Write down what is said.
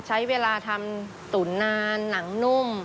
ใช้เวลาทำตุ๋นนานหนังนุ่ม